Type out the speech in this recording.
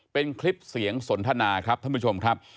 เป็นคลิปเสียงสนทนาครับท่านผู้ชมครับ